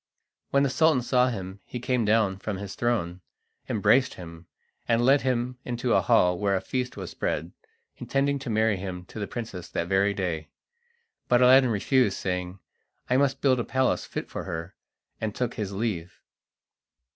When the Sultan saw him he came down from his throne, embraced him, and led him into a hall where a feast was spread, intending to marry him to the princess that very day. But Aladdin refused, saying, "I must build a palace fit for her," and took his leave.